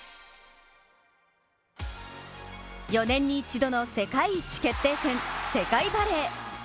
４年に一度の最強国決定戦世界バレー。